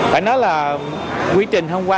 phải nói là quy trình hôm qua